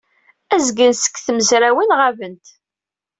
Azgen seg tmezrawin ɣabent.